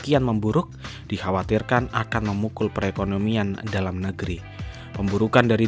kian memburuk dikhawatirkan akan memukul perekonomian dalam negeri pemburukan dari